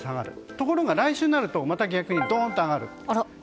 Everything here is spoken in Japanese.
ところが来週になると逆にドーンと上がると。